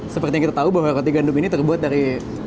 seperti yang kita tahu bahwa roti gandum ini terbuat dari